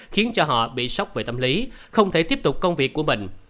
khiến cho họ bị sốc về tâm lý không thể tiếp tục công việc của mình